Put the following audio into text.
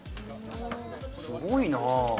すごいな。